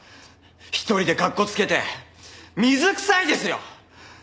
一人でかっこつけて水くさいですよ！